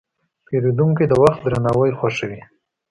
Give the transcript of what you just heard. پیرودونکی د وخت درناوی خوښوي.